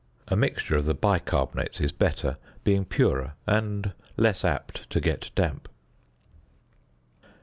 A mixture of the bicarbonates is better, being purer and less apt to get damp.